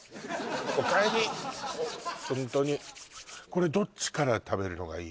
ほんとにこれどっちから食べるのがいい？